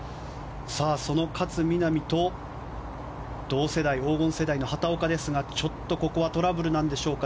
その勝みなみと同世代黄金世代の畑岡ですが、ちょっとここはトラブルなんでしょうか。